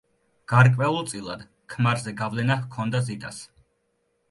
გარკვეულწილად, ქმარზე გავლენა ჰქონდა ზიტას.